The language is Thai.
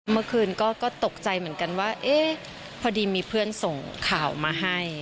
เมื่อคืนก็ตกใจเหมือนกันว่าเอ๊ะพอดีมีเพื่อนส่งข่าวมาให้